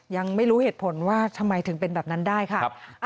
ยังไม่รู้เหตุผลว่าทำไมถึงเป็นแบบนั้นได้ค่ะ